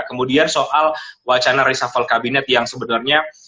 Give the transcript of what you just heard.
kemudian soal wacana reshuffle kabinet yang sebenarnya